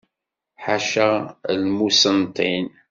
Ḥaca lmuṣenntin.